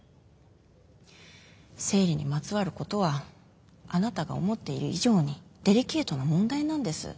生理にまつわることはあなたが思っている以上にデリケートな問題なんです。